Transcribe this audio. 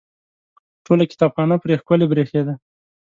ټوله کتابخانه پرې ښکلې برېښېده.